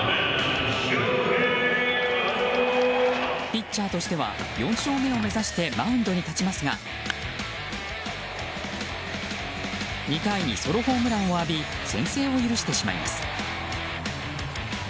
ピッチャーとしては４勝目を目指してマウンドに立ちますが２回にソロホームランを浴び先制を許してしまいます。